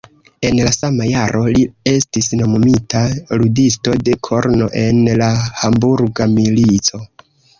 En la sama jaro li estis nomumita ludisto de korno en la Hamburga milico.